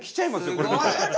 これ。